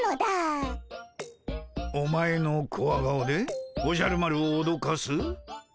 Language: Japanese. お前のコワ顔でおじゃる丸をおどかす？